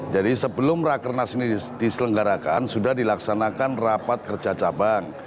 jadi sebelum rakernas ini diselenggarakan sudah dilaksanakan rapat kerja cabang